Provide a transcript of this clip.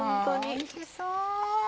おいしそう！